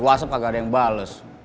wasap kagak ada yang bales